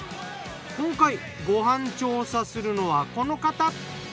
今回ご飯調査するのはこの方。